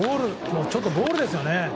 ちょっとボールですよね。